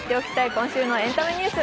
今週のエンタメニュース